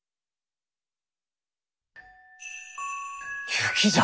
雪じゃ！